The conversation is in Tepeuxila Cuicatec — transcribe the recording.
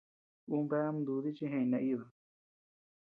Ú bea ama dudi chi jeʼeñ naíba.